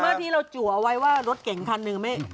เมื่อกี้เราจัวเอาไว้ว่ารถเก่งคันหนึ่ง